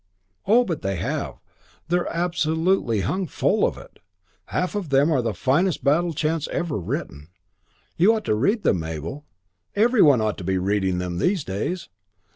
"Oh, but they have. They're absolutely hung full of it. Half of them are the finest battle chants ever written. You ought to read them, Mabel; every one ought to be reading them these days.